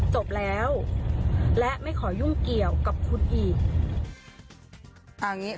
จบแล้วและไม่ขอยุ่งเกี่ยวกับคุณอีก